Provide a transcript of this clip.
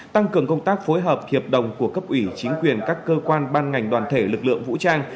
tăng cường công tác phối hợp hiệp đồng của cấp ủy chính quyền các cơ quan ban ngành đoàn thể lực lượng vũ trang